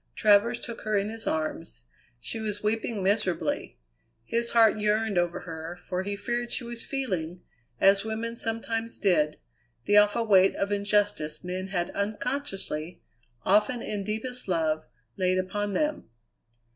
Travers took her in his arms. She was weeping miserably. His heart yearned over her, for he feared she was feeling, as women sometimes did, the awful weight of injustice men had unconsciously, often in deepest love, laid upon them.